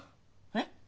えっ？